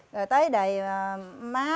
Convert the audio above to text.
rồi tới đời má